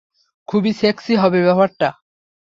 খুবই সেক্সি হবে ব্যাপারটা।